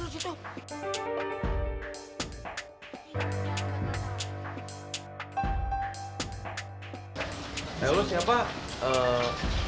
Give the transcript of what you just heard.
sekarang gue bikin mereka makin panik